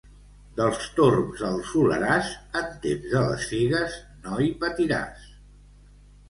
Dels Torms al Soleràs, en temps de les figues, no hi patiràs.